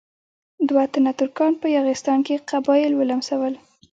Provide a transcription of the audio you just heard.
دوه تنه ترکان په یاغستان کې قبایل ولمسول.